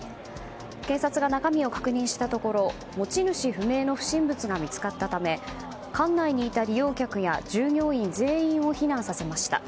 警察が中身を確認したところ持ち主不明の不審物が見つかったため館内にいた利用客や従業員全員を避難させました。